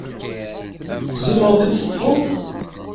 Tzemreḍ ad t-id-teṭṭfeḍ?